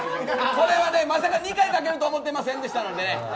まさか２回かけると思ってませんでしたので。